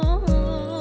apakah kau rindu